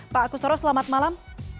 pak kustoro selamat malam